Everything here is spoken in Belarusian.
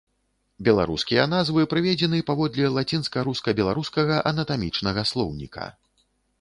Беларускія назвы прыведзены паводле лацінска-руска-беларускага анатамічнага слоўніка.